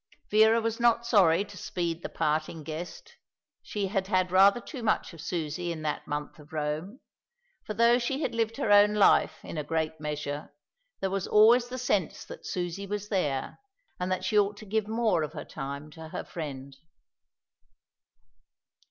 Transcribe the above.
Vera was not sorry to speed the parting guest. She had had rather too much of Susie in that month of Rome; for though she had lived her own life, in a great measure, there was always the sense that Susie was there, and that she ought to give more of her time to her friend.